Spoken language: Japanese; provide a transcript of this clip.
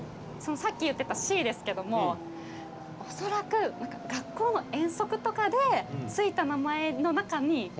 さっき言ってた「Ｃ」ですけども恐らく学校の遠足とかで付いた名前の中に「写生」があったはずです。